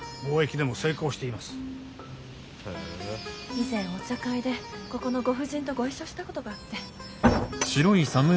以前お茶会でここのご婦人とご一緒したことがあって。